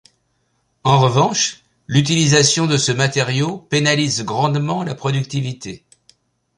En revanche, l’utilisation de ce matériau pénalise grandement la productivité.